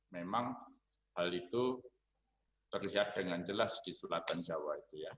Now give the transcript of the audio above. memang hal itu terlihat dengan jelas di selatan jawa itu ya